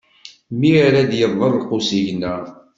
Mi ara d-iḍelq usigna.